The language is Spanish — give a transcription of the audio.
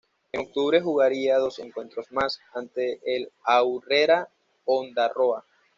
En octubre jugaría dos encuentros más ante el Aurrera Ondarroa.